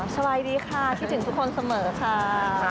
สบายดีค่ะคิดถึงทุกคนเสมอค่ะ